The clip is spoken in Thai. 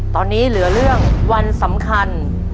ตอนนี้เหลือเรื่องวันสำคัญ